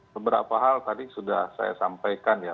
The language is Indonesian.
beberapa hal tadi sudah saya sampaikan ya